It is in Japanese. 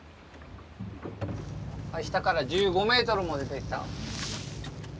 下から１５メートルも出てきた。